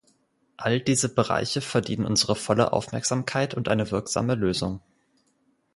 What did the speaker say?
All diese Bereiche verdienen unsere volle Aufmerksamkeit und eine wirksame Lösung.